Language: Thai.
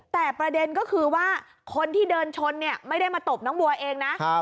แต่ประเด็นก็คือว่าคนที่เดินชนเนี่ยไม่ได้มาตบน้องบัวเองนะ